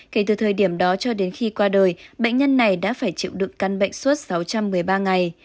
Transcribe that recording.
kể từ thời điểm đó cho đến khi qua đời bệnh nhân này đã phải chịu đựng căn bệnh suốt sáu trăm một mươi ba ngày